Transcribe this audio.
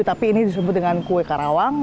tapi ini disebut dengan kue karawang